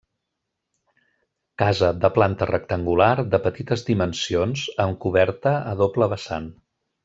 Casa de planta rectangular, de petites dimensions, amb coberta a doble vessant.